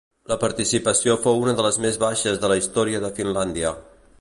La participació fou una de les més baixes de la història de Finlàndia.